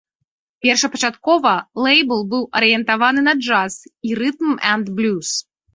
Першапачаткова лэйбл быў арыентаваны на джаз і рытм-энд-блюз.